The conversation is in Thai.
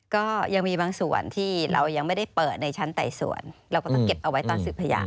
ก็ยังมีบางส่วนที่เรายังไม่ได้เปิดในชั้นไต่สวนเราก็ต้องเก็บเอาไว้ตอนสืบพยาน